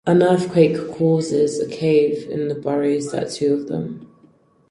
An earthquake causes a cave-in that buries the two of them.